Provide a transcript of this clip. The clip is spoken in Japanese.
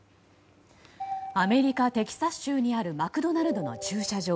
アメリカテキサス州にあるマクドナルドの駐車場。